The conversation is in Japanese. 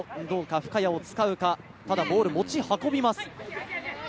深谷を使うか、ただボールを持ち運びます。